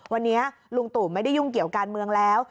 วันนี้ลุงตู่ไม่ได้ยุ่งเกี่ยวการเมืองแล้ว